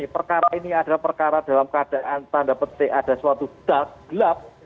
perkara ini adalah perkara dalam keadaan tanda petik ada suatu dars gelap